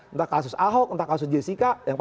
entah kasus ahok entah kasus jessica